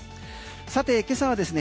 さて、今朝はですね